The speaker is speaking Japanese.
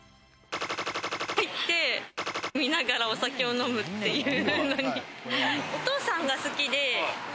行って見ながらお酒を飲むっていうのに、お父さんが好きで。